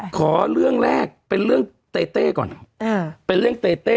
ขอเรื่องแรกเป็นเรื่องเต้เต้ก่อนเป็นเรื่องเต้เต้